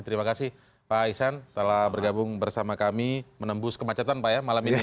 terima kasih pak ihsan telah bergabung bersama kami menembus kemacetan pak ya malam ini